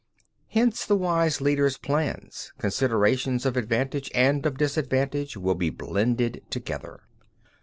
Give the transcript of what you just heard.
7. Hence in the wise leader's plans, considerations of advantage and of disadvantage will be blended together.